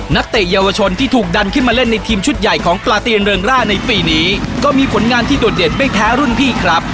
เตะเยาวชนที่ถูกดันขึ้นมาเล่นในทีมชุดใหญ่ของปลาตีนเริงร่าในปีนี้ก็มีผลงานที่โดดเด่นไม่แพ้รุ่นพี่ครับ